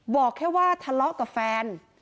บอกแค่ว่าทะเลาะกับแฟน